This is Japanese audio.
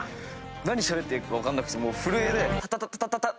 何しゃべっていいか分かんなくてもう震えで。